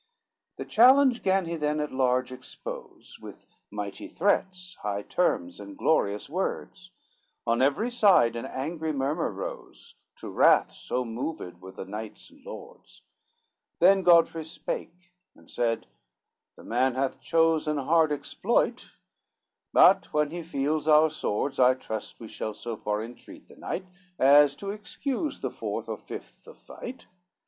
XVIII The challenge gan he then at large expose, With mighty threats, high terms and glorious words; On every side an angry murmur rose, To wrath so moved were the knights and lords. Then Godfrey spake, and said, "The man hath chose An hard exploit, but when he feels our swords, I trust we shall so far entreat the knight, As to excuse the fourth or fifth of fight.